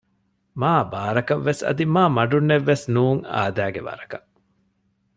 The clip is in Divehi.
މާބާރަކަށްވެސް އަދި މާމަޑުންނެއް ވެސް ނޫން އާދައިގެ ވަރަކަށް